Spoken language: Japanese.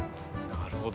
なるほど。